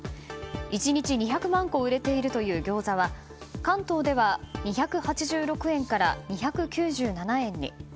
１日２００万個売れているという餃子は、関東では２８６円から２９７円に。